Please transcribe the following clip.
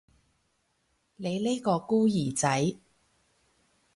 你呢個孤兒仔